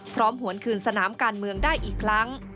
หวนคืนสนามการเมืองได้อีกครั้ง